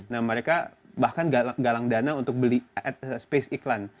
nah mereka bahkan galang dana untuk beli at space iklan